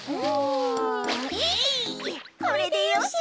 これでよし。